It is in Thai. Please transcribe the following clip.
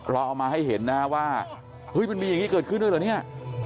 เราเอามาให้เห็นนะว่าเฮ้ยมันมีอย่างนี้เกิดขึ้นด้วยเหรอเนี่ย